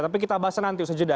tapi kita bahas nanti usaha jeda